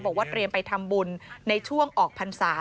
เตรียมไปทำบุญในช่วงออกพรรษา